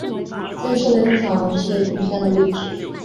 这些设备通常采用磁探测器确定杆的位置。